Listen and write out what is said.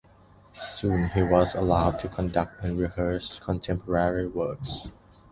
Soon he was allowed to conduct and rehearse contemporary works.